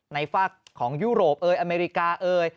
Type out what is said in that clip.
ฝากของยุโรปเอยอเมริกาเอย